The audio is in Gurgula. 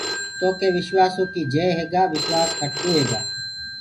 تو ڪي وشواسو ڪي جئي هيگآ وشوآس کٽسو هيگآ۔